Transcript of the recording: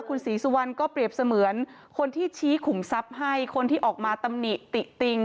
คุณศรีสุวรรณก็เปรียบเสมือนคนที่ชี้ขุมทรัพย์ให้คนที่ออกมาตำหนิติติติง